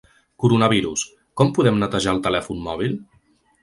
Coronavirus: com podem netejar el telèfon mòbil?